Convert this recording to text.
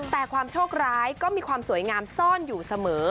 แต่ความโชคร้ายก็มีความสวยงามซ่อนอยู่เสมอ